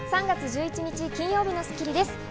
３月１１日、金曜日の『スッキリ』です。